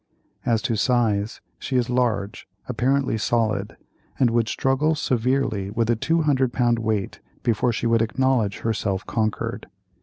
As to size—she is large, apparently solid, and would struggle severely with a 200 pound weight before she would acknowledge herself conquered.